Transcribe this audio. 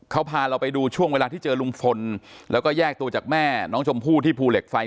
เขาพาเราไปดูช่วงเวลาที่เจอลุงพลแล้วก็แยกตัวจากแม่น้องชมพู่ที่ภูเหล็กไฟ